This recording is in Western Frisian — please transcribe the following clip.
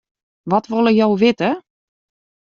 Wat wolle jo witte?